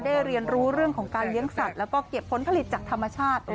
เรียนรู้เรื่องของการเลี้ยงสัตว์แล้วก็เก็บผลผลิตจากธรรมชาติ